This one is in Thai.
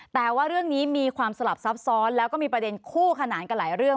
แต่ว่าเรื่องนี้มีความสลับซับซ้อนแล้วก็มีประเด็นคู่ขนานกันหลายเรื่อง